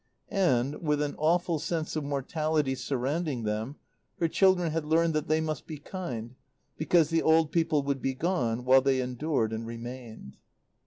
And, with an awful sense of mortality surrounding them, her children had learned that they must be kind because the old people would be gone while they endured and remained.